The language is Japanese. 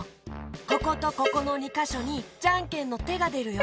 こことここの２かしょにじゃんけんのてがでるよ。